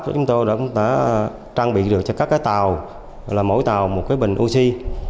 rồi cũng đã trang bị được cho các cái tàu là mỗi tàu một cái bình oxy